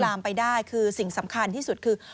ทีมข่าวไทยรัฐทีวีก็ติดต่อสอบถามไปที่ผู้บาดเจ็บนะคะ